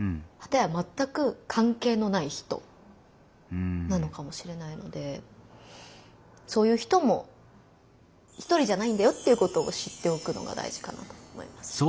かたやまったく関係のない人なのかもしれないのでそういう人も一人じゃないんだよっていうことを知っておくのが大事かなと思います。